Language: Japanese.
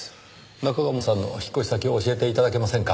中鴨さんの引っ越し先を教えて頂けませんか？